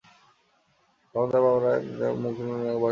তখন তার বাবা ডাকার কিংবা বাবার মুখ মনে রাখার বয়স হয়নি।